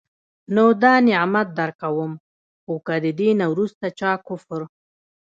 نو دا نعمت درکوم، خو که د دي نه وروسته چا کفر